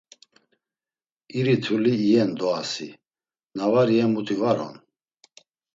İri turli iyen doasi, na var iyen muti var on.